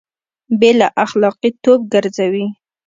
بې له اخلاقي توب ګرځوي